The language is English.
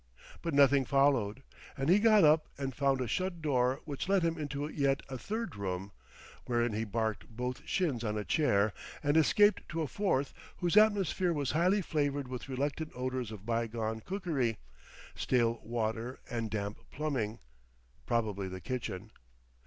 But nothing followed, and he got up and found a shut door which let him into yet a third room, wherein he barked both shins on a chair; and escaped to a fourth whose atmosphere was highly flavored with reluctant odors of bygone cookery, stale water and damp plumbing probably the kitchen.